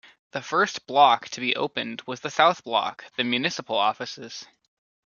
The first block to be opened was the south block, the municipal offices.